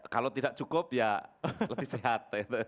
kalau tidak cukup ya lebih sehat